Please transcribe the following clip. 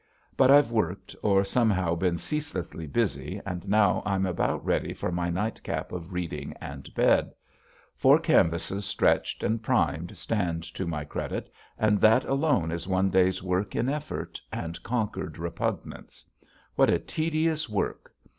But I've worked or somehow been ceaselessly busy and now I'm about ready for my nightcap of reading and bed. Four canvases stretched and primed stand to my credit and that alone is one day's work in effort and conquered repugnance. What a tedious work.